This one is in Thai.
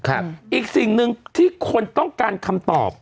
อีกสิ่งหนึ่งที่คนต้องการคำตอบ